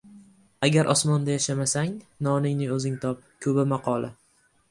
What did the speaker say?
Agar osmonda yashamasang, noningni o‘zing top. Kuba maqoli